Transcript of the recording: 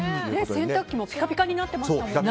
洗濯機もピカピカになってましたもんね。